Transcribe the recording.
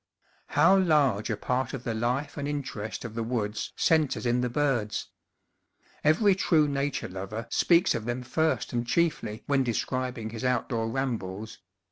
How large a part of the life and interest of the woods centers in the birds! Every true nature lover speaks of them first and chiefly when describing his outdoor ram bles.